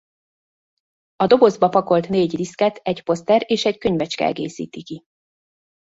A dobozba pakolt négy diszket egy poszter és egy könyvecske egészíti ki.